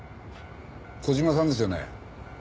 小島さんですよね？